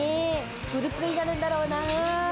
プリプリになるんだろうな。